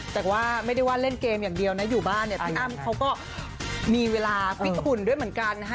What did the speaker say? แต่ว่าไม่ได้ว่าเล่นเกมอย่างเดียวนะอยู่บ้านเนี่ยพี่อ้ำเขาก็มีเวลาฟิตหุ่นด้วยเหมือนกันนะฮะ